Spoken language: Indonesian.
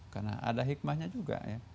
karena ada hikmahnya juga